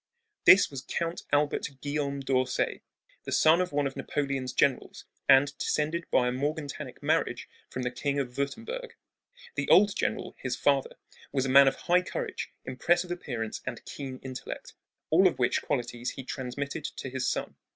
This was Count Albert Guillaume d'Orsay, the son of one of Napoleon's generals, and descended by a morganatic marriage from the King of Wurttemburg. The old general, his father, was a man of high courage, impressive appearance, and keen intellect, all of which qualities he transmitted to his son.